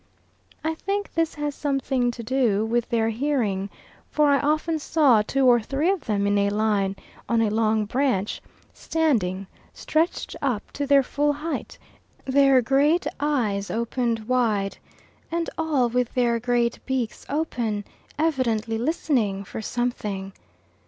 I think this has something to do with their hearing, for I often saw two or three of them in a line on a long branch, standing, stretched up to their full height, their great eyes opened wide, and all with their great beaks open, evidently listening for something.